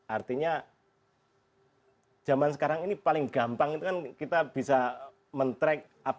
artinya zaman sekarang ini paling gampang kita bisa men track apakah dulu pernah melakukan apa